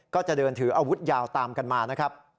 ก็จะเดินถืออาวุธยาวตามกันมานะครับ